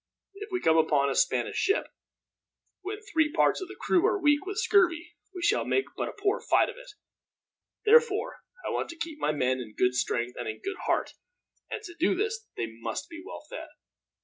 If we come upon a Spanish ship when three parts of the crew are weak with scurvy, we shall make but a poor fight of it. Therefore, I want to keep my men in good strength and in good heart, and to do this they must be well fed.